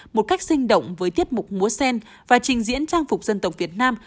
một cách sinh động với tiết mục múa sen và trình diễn trang phục dân tộc việt nam